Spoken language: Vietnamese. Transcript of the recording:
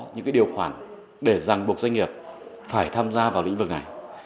những điều khoản để ràng buộc doanh nghiệp phải tham gia vào lĩnh vực này